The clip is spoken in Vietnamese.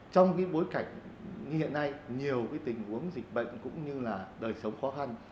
trong bối cảnh như hiện nay nhiều tình huống dịch bệnh cũng như là đời sống khó khăn